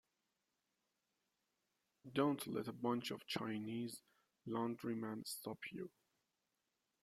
Don't let a bunch of Chinese laundrymen stop you.